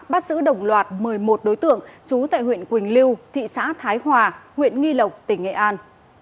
bắt giữ đồng loạt một mươi một đối tượng trú tại huyện quỳnh lưu thị xã thái hòa huyện nghi lộc tỉnh nghệ an